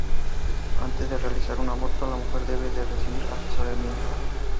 Antes de realizar un aborto, la mujer debe de recibir asesoramiento.